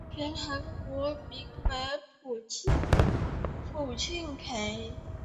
原韩国名为朴庆培。